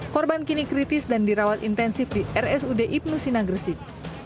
korban kini kritis dan dirawat intensif di rsud ibnu sina gresik